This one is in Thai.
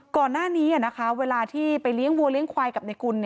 ก่อนหน้านี้เวลาที่ไปเลี้ยงวัวเลี้ยควายกับในกุล